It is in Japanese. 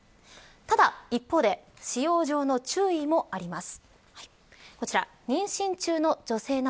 ただ、一方で使用上の注意もあります。